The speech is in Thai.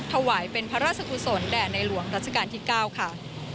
ถวายเป็นพระราชกุศลแด่ในหลวงรัชกาลที่๙ค่ะ